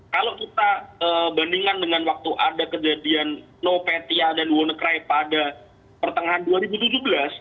kalau kita bandingkan dengan waktu ada kejadian novetia dan wannacry pada pertengahan dua ribu tujuh belas